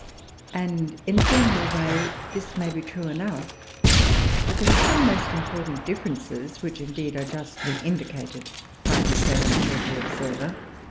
And, in a general way, this may be true enough; but there are some most important differences, which, indeed, are justly indicated by the same careful observer.